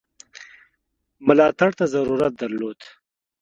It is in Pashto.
ملاتړ ته ضرورت درلود.